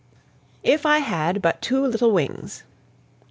IF I HAD BUT TWO LITTLE WINGS.